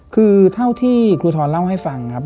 คือเท่าที่ครูทรเล่าให้ฟังครับ